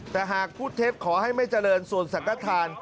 แต่หากพูดเท็จขอให้ไม่เจริญส่วนสังกฐาน